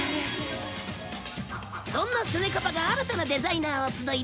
そんなスネカパが新たなデザイナーを集い